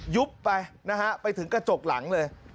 ยุบไปนะฮะไปถึงกระจกหลังเลย